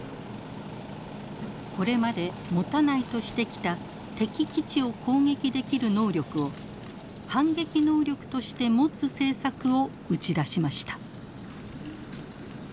これまで持たないとしてきた敵基地を攻撃できる能力を反撃能力として持つ政策を打ち出しました。